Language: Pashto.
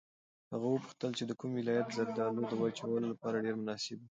هغه وپوښتل چې د کوم ولایت زردالو د وچولو لپاره ډېر مناسب دي.